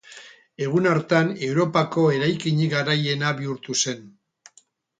Egun hartan, Europako eraikinik garaiena bihurtu zen.